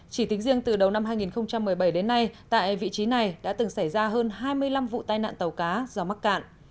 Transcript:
chỉ tính riêng từ đầu năm hai nghìn một mươi bảy đến nay tại vị trí này đã từng xảy ra hơn hai mươi năm vụ tai nạn tàu cá do mắc cạn